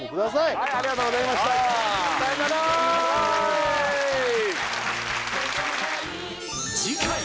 はいありがとうございましたさようなら次回